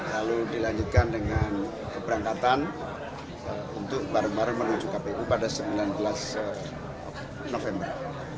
lalu dilanjutkan dengan keberangkatan untuk bareng bareng menuju kpu pada sembilan belas november